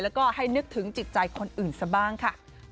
แล้วก็ให้นึกถึงจิตใจคนอื่นซะบ้างค่ะ